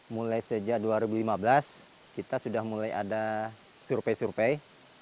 mulai sejak dua ribu lima belas kita sudah mulai ada survei survei